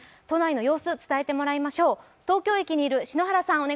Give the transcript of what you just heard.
都内の様子、伝えてもらいましょう東京駅にいる篠原さん。